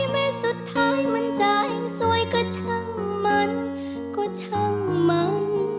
แม้สุดท้ายมันจะยังสวยก็ช่างมัน